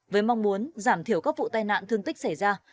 với mong muốn giảm thiểu các vụ tai nạn thương tích xảy ra